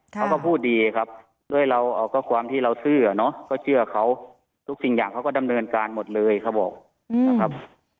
เขาก็พูดดีครับด้วยเราเอาข้อความที่เราซื่อเนาะก็เชื่อเขาทุกสิ่งอย่างเขาก็ดำเนินการหมดเลยเขาบอกนะครับ